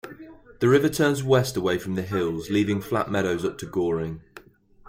The river turns west away from the hills leaving flat meadows up to Goring.